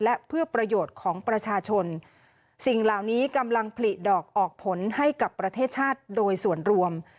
และเพื่อประโยชน์ของประชาชนสิ่งเหล่านี้กำลังผลิดอกออกผลให้กับประเทศชาติโดยส่วนรวม